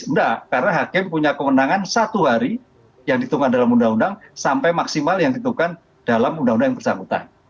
enggak karena hakim punya kewenangan satu hari yang ditunggang dalam undang undang sampai maksimal yang ditentukan dalam undang undang yang bersangkutan